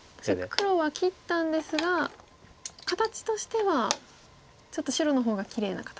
黒は切ったんですが形としてはちょっと白の方がきれいな形。